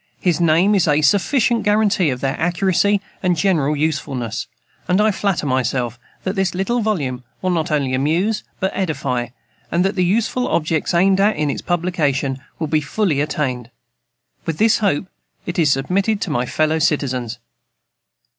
His name is a sufficient guaranty for their accuracy and general usefulness; and I flatter myself that this little volume will not only amuse, but edify, and that the useful objects aimed at in its publication will be fully attained. With this hope, it is submitted to my fellow citizens.